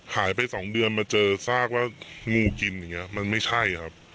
หายไป๒เดือนมาเจอซากว่างูกินอย่างนี้มันไม่ใช่ครับ